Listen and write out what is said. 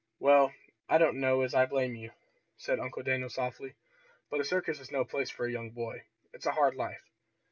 "Well, I don't know as I blame you," said Uncle Daniel softly, "but a circus is no place for a young boy. It's a hard life."